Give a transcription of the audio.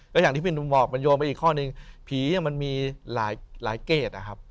อย่างที่ปินบอกโยนไปอีกข้อหนึ่งผียังมันมีหลายเกษอะครับ